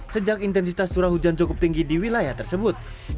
sejak intensitas curah hujan cukup tinggi di wilayah tersebut